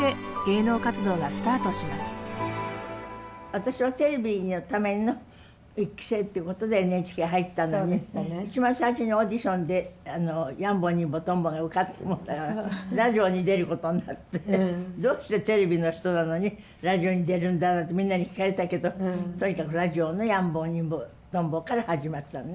私はテレビのための１期生っていうことでＮＨＫ入ったのに一番最初にオーディションで「やん坊にん坊とん坊」が受かったもんだからラジオに出ることになってどうしてテレビの人なのにラジオに出るんだなんてみんなに聞かれたけどとにかくラジオの「やん坊にん坊とん坊」から始まったのね